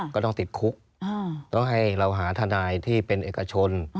ก็ต้องติดคุกต้องให้เราหาทนายที่เป็นเอกชน